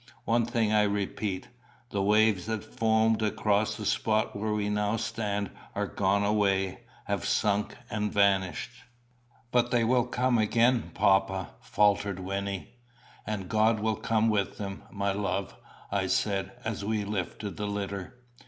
One thing I repeat the waves that foamed across the spot where we now stand are gone away, have sunk and vanished." "But they will come again, papa," faltered Wynnie. "And God will come with them, my love," I said, as we lifted the litter.